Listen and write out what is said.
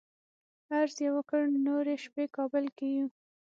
عرض یې وکړ نورې شپې کابل کې یو.